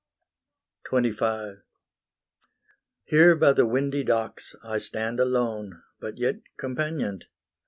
XXV Here by the windy docks I stand alone, But yet companioned.